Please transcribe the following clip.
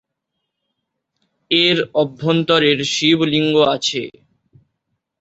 এর অভ্যন্তরের শিবলিঙ্গ আছে।